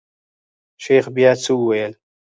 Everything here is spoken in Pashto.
شيخ بيا څه وويل.